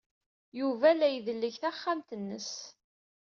Yuba la idelleg taxxamt-nnes.